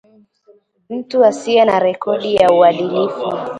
mtu asiye na rekodi ya uadilifu